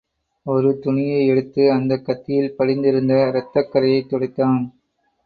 ஒரு துணியை எடுத்து, அந்தக் கத்தியில் படிந்திருந்த இரத்தக் கறையைத் துடைத்தான்.